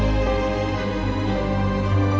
dan beri dia wujud terngah